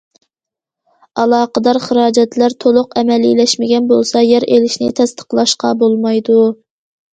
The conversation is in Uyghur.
ئالاقىدار خىراجەتلەر تولۇق ئەمەلىيلەشمىگەن بولسا، يەر ئېلىشنى تەستىقلاشقا بولمايدۇ.